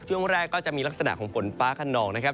ช่วงแรกก็จะมีลักษณะของฝนฟ้าขนองนะครับ